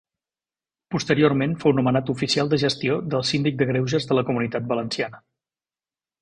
Posteriorment fou nomenat oficial de gestió del Síndic de Greuges de la Comunitat Valenciana.